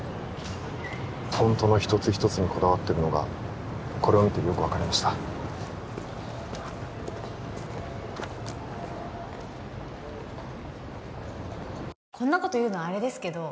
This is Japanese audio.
フォントの一つ一つにこだわってるのがこれを見てよく分かりましたこんなこと言うのあれですけど